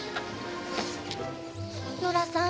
ノラさん